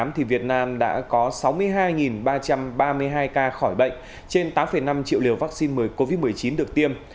thì việt nam đã có sáu mươi hai ba trăm ba mươi hai ca khỏi bệnh trên tám năm triệu liều vaccine ngừa covid một mươi chín được tiêm